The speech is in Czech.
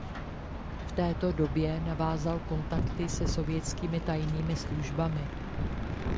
V této době navázal kontakty se sovětskými tajnými službami.